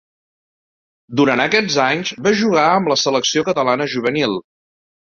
Durant aquests anys va jugar amb la selecció catalana juvenil.